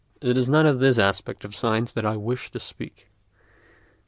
It is not of this aspect of science that I wish to speak.